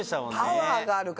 パワーがあるから。